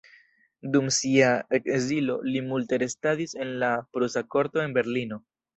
Dum sia ekzilo li multe restadis en la prusa korto en Berlino.